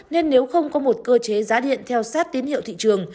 nên nếu không có một cơ chế giá điện theo sát tín hiệu thị trường